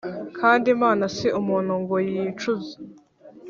kandi imana si umuntu ngo yicuze